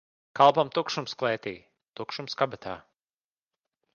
Kalpam tukšums klētī, tukšums kabatā.